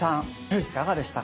いかがでしたか？